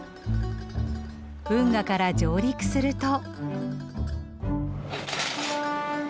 運河から上陸すると。